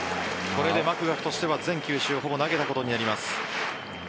これでマクガフとしては全球種を投げたことになります。